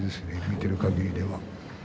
見ているかぎりでは。